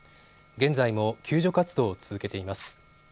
現在も救助活動を続けています。